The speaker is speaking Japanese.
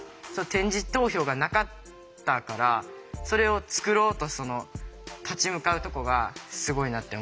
点字投票がなかったからそれを作ろうと立ち向かうとこがすごいなって思うし